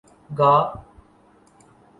گا